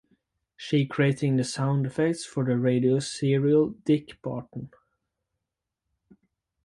She creating the sound effects for the radio serial "Dick Barton".